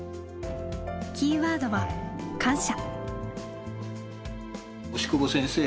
キーワードは「感謝」。